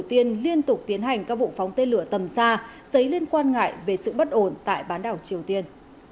tiên liên tục tiến hành các vụ phóng tên lửa tầm xa giấy liên quan ngại về sự bất ổn tại bán đảo triều tiên